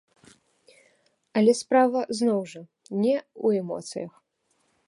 Але справа, зноў жа, не ў эмоцыях.